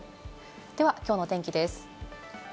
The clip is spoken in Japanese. ではきょうの天気です。